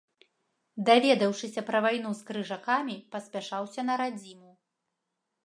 Даведаўшыся пра вайну з крыжакамі, паспяшаўся на радзіму.